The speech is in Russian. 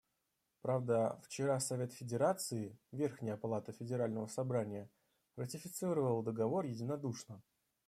Правда, вчера Совет Федерации − верхняя палата Федерального Собрания − ратифицировал Договор единодушно.